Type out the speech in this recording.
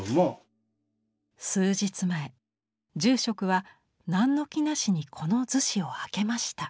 数日前住職は何の気なしにこの厨子を開けました。